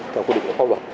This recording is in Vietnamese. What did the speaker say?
theo quy định của pháp luật